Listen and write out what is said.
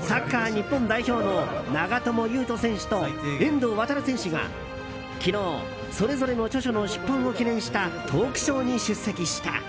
サッカー日本代表の長友佑都選手と遠藤航選手が昨日、それぞれの著書の出版を記念したトークショーに出席した。